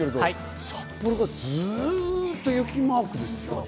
札幌はずっと雪マークです。